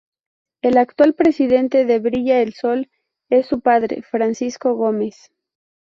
El actual presidente de Brilla el Sol, es su padre, Francisco Gómez.